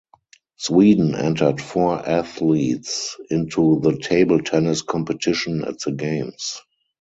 Sweden entered four athletes into the table tennis competition at the games.